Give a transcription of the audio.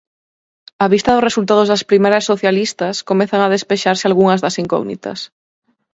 Á vista dos resultados das primarias socialistas, comezan a despexarse algunhas das incógnitas.